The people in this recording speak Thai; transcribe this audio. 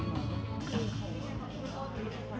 น้ำเย็นเย็นเฮ้ยได้ชดให้เจอนะครับ